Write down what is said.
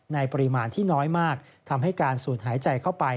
ในปริมาณที่น้อยมากทำให้การสูดหายใจเข้าไป